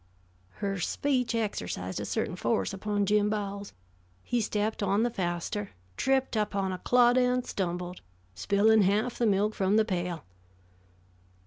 Her speech exercised a certain force upon Jim Bowles. He stepped on the faster, tripped upon a clod and stumbled, spilling half the milk from the pail.